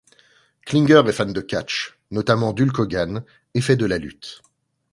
Klinger est fan de catch notamment d'Hulk Hogan et fait de la lutte.